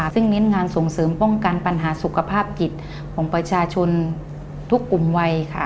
ซึ่งเน้นงานส่งเสริมป้องกันปัญหาสุขภาพจิตของประชาชนทุกกลุ่มวัยค่ะ